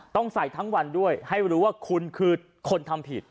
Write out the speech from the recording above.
ต้องใส่ทั้งวันด้วยให้รู้ว่าคุณคือคนทำผิด